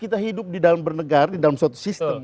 kita hidup di dalam bernegara di dalam suatu sistem